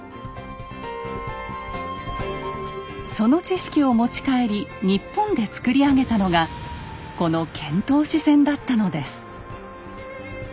その知識を持ち帰り日本で造り上げたのがこの遣唐使船だったのです。